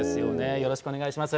よろしくお願いします。